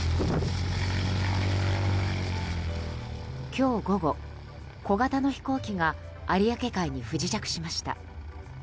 今日午後、小型の飛行機が有明海に不時着しました。